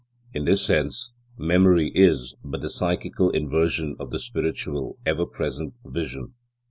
In this sense, memory is but the psychical inversion of the spiritual, ever present vision.